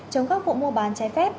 chống các vụ mua bán trái phép